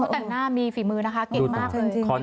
แต่งหน้ามีฝีมือนะคะเก่งมากจริง